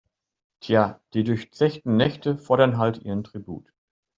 Tja, die durchzechten Nächte fordern halt ihren Tribut.